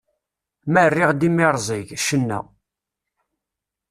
Ma rriɣ-d imirẓig, cenna!